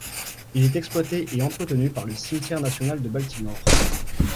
Il est exploité et entretenu par le cimetière national de Baltimore.